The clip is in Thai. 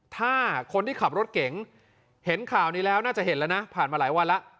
ถ้าคนที่ขับรถเก๋งเห็นข่าวนี้แล้วน่าจะเห็นแล้วนะผ่านมาหลายวันแล้ว